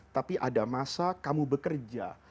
tapi ada masa kamu bekerja